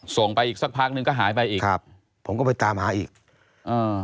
ส่งไปอีกสักพักนึงก็หายไปอีกครับผมก็ไปตามหาอีกอ่า